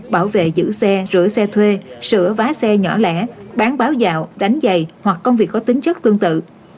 bảo vệ giữ xe rửa xe thuê sửa vá xe nhỏ lẻ bán báo dạo đánh dày hoặc công việc có tính chất tương tự